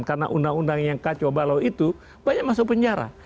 karena undang undang yang kacau balau itu banyak masuk penjara